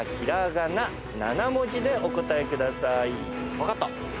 分かった。